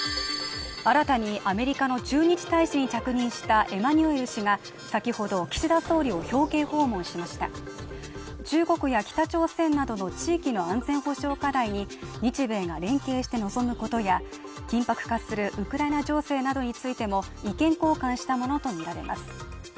新たにアメリカの駐日大使に着任したエマニュエル氏が先ほど岸田総理を表敬訪問しました中国や北朝鮮などの地域の安全保障課題に日米が連携して臨む事や緊迫化するウクライナ情勢などについても意見交換したものと見られます